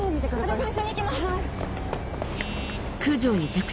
私も一緒に行きます！